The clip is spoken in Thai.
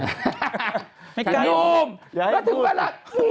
นุ่มแล้วถึงเมื่อละ